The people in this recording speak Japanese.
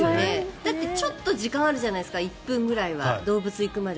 だってちょっと時間あるじゃないですか１分ぐらい動物に行くまで。